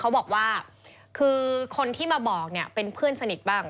เขาบอกว่าคือคนที่มาบอกเนี่ยเป็นเพื่อนสนิทบ้าง